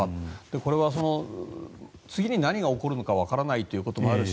これは次に何が起こるのか分からないということもあるし